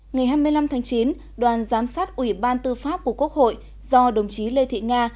ngày hai mươi năm tháng chín đoàn giám sát ủy ban tư pháp của quốc hội do đồng chí lê thị nga